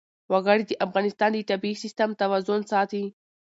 وګړي د افغانستان د طبعي سیسټم توازن ساتي.